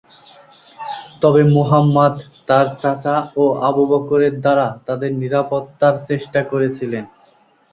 তবে মুহাম্মাদ তার চাচা ও আবু বকরের দ্বারা তাদের নিরাপত্তার চেষ্টা করেছিলেন।